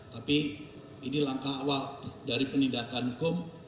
tapi ini langkah awal dari penindakan hukum